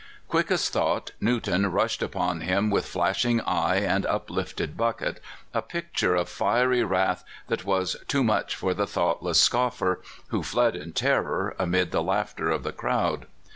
Quick as thought Newton rushed upon him with flashing eye and uplifted bucket, a picture of fiery wrath that was too much for the thoughtless scof fer, who fled in terror amid the laughter of the crowd.